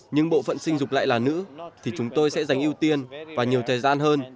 nhưng bộ phận sinh dục lại là nữ thì chúng tôi sẽ dành ưu tiên và nhiều thời gian hơn